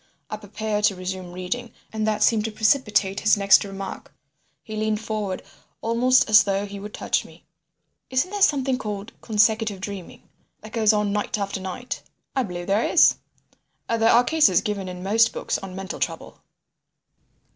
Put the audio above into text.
I prepared to resume reading, and that seemed to precipitate his next remark. He leant forward almost as though he would touch me. "Isn't there something called consecutive dreaming—that goes on night after night?" "I believe there is. There are cases given in most books on mental trouble."